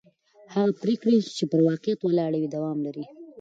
هغه پرېکړې چې پر واقعیت ولاړې وي دوام لري